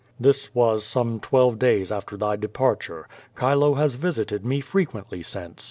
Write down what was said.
This was some twelve days after thy departure. Chilo has visited me frequently since.